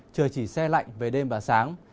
trời chỉ xe lạnh về đêm và sáng